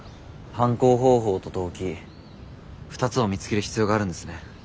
犯行方法と動機２つを見つける必要があるんですね。